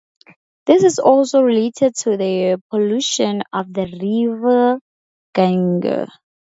This is also related to the pollution of the River Ganges.